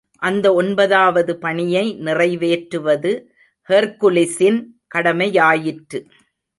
அந்த ஒன்பதாவது பணியை நிறைவேற்றுவது ஹெர்க்குலிஸின் கடமையாயிற்று.